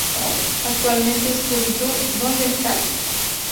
Actualmente "Scooby Doo, ¿dónde estás?